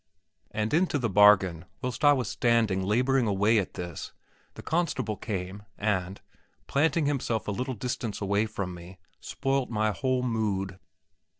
And into the bargain, whilst I was standing labouring away at this, the constable came and, planting himself a little distance away from me, spoilt my whole mood.